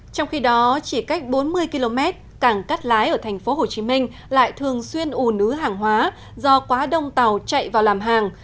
trong khi đó chỉ cách bốn mươi km cảng cắt lái ở tp hcm lại thường xuyên ù nứ hàng hóa do quá đông tàu chạy vào làm hàng